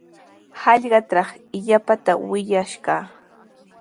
Hallqatraw illapata wiyash kaa.